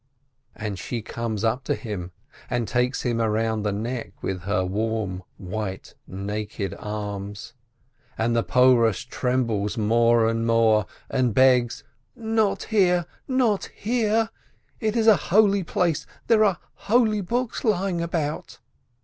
And she comes up to him, and takes him around the neck with her warm, white, naked arms, and the Porush trembles more and more, and begs, "Not here, not here ! It is a holy place, there are holy books lying about."